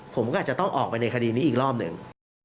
ผมก็อาจจะต้องออกไปในคดีนี้อีกรอบหนึ่ง